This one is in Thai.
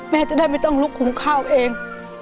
แม่จะได้ไม่ต้องลุกหุงข้าวเอง